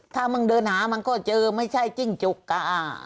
ถ้ามึงเดินหามันก็เจอไม่ใช่จิ้งจก